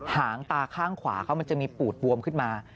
หางตาข้างขวาเขามันจะมีปูดบวมขึ้นมา